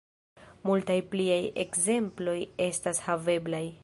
Multaj pliaj ekzemploj estas haveblaj.